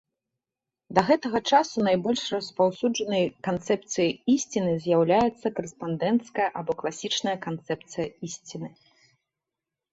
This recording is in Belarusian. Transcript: Да гэтага часу найбольш распаўсюджанай канцэпцыяй ісціны з'яўляецца карэспандэнцкая або класічная канцэпцыя ісціны.